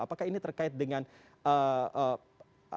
apakah ini terkait dengan bukti interest